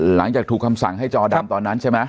หลังจากถูกคำสั่งให้จอดำตอนนั้นใช่ไหม